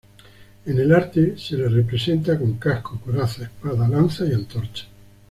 En el arte, se la representa con casco, coraza, espada, lanza y antorcha.